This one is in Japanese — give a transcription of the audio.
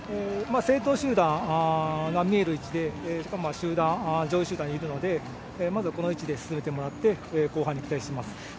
先頭集団が見える位置で上位集団にいるので、まずはこの位置で進めてもらって後半期待しています。